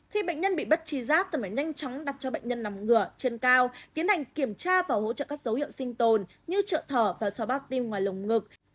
khi bệnh nhân bị bất chi rác cần phải nhanh chóng đặt cho bệnh nhân nằm ngửa trên cao tiến hành kiểm tra và hỗ trợ các dấu hiệu sinh tồn như trợ thở và xóa bát tim ngoài lồng ngực